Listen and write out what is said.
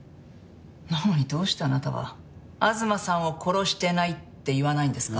なのにどうしてあなたは東さんを殺してないって言わないんですか？